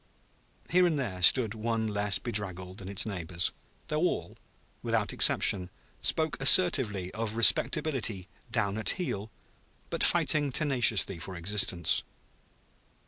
Here and there stood one less bedraggled than its neighbors, though all, without exception, spoke assertively of respectability down at the heel but fighting tenaciously for existence.